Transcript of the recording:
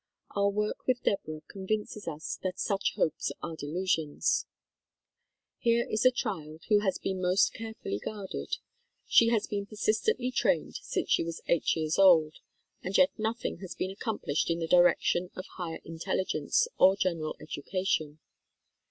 Our work with Deborah convinces us that such hopes are delusions. Here is a child who has been most carefully guarded. She has been persistently trained since she was eight years old, and yet nothing has been accomplished in the direction of higher intelligence or general education.